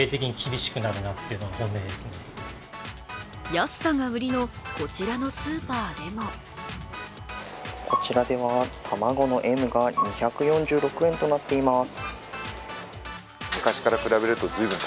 安さが売りのこちらのスーパーでもこちらでは卵のＭが２４６円となっています。